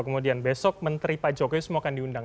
kemudian besok menteri pak jokowi semua akan diundang